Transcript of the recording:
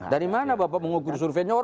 dari mana bapak mengukur surveinya